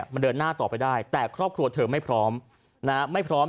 มันเดินหน้าต่อไปได้แต่ครอบครัวเทอมไม่พร้อม